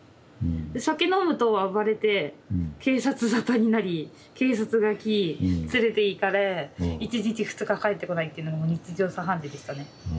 で酒飲むと暴れて警察沙汰になり警察が来連れていかれ１日２日帰ってこないっていうのがもう日常茶飯事でしたね。